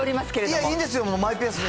いや、いいんですよ、マイペースで。